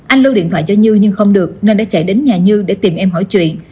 anh lưu điện thoại cho như nhưng không được nên đã chạy đến nhà như để tìm em hỏi chuyện